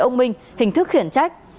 ông minh hình thức khiển trách